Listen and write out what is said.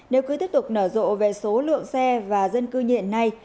nếu cứ tiếp tục nở rộ về số lượng xe và dân cư như hiện nay